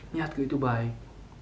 niatku itu baik